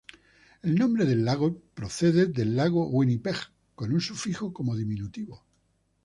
El nombre del lago procede del de lago Winnipeg, con un sufijo como diminutivo.